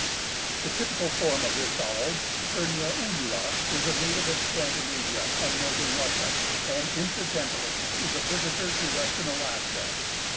_) The typical form of this owl (Surnia ulula) is a native of Scandinavia and Northern Russia, and incidentally is a visitor to Western Alaska.